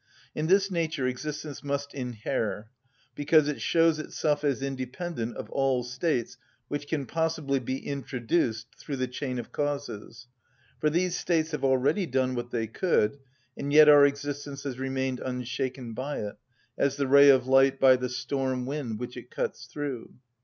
In this nature existence must inhere, because it shows itself as independent of all states which can possibly be introduced through the chain of causes; for these states have already done what they could, and yet our existence has remained unshaken by it, as the ray of light by the storm wind which it cuts through.